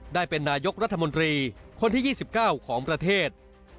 ได้เป็นนายกรัฐมนตรีคนที่๒๙ของประเทศ